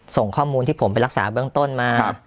ส่งข้อมูลที่ผมไปรักษาเบื้องต้นมา